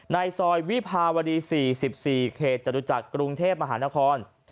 ในซอยวิภาวดี๔๔เขตจตุจักรกรุงเทพมหานคร